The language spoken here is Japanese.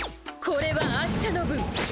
これは明日の分。